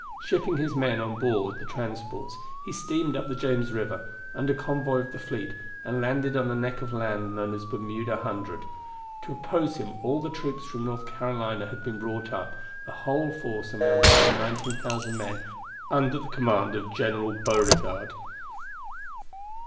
Shipping his men on board the transports he steamed up the James River, under convoy of the fleet, and landed on a neck of land known as Bermuda Hundred. To oppose him all the troops from North Carolina had been brought up, the whole force amounting to 19,000 men, under the command of General Beauregard.